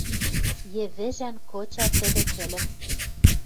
Йӹвӹжӓн кыча тӹдӹ кӹлӹм